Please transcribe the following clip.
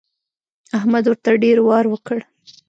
احمد ورته ډېر وار وکړ.